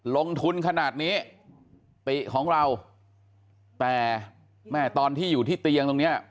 ลงทุนขนาดนี้ติของเราแต่แม่ตอนที่อยู่ที่เตียงตรงเนี้ย